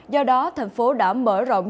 do đó thành phố đã mở rộng